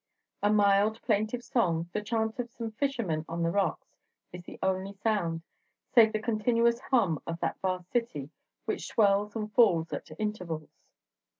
A mild, plaintive song, the chant of some fishermen on the rocks, is the only sound, save the continuous hum of that vast city, which swells and falls at intervals.